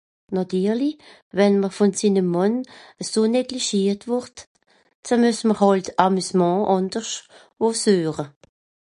Nàtirlich, wenn m’r vùn sim Mànn eso neglischiert wùrd, ze muess m’r hàlt ’s Amusement àndersch wo sueche.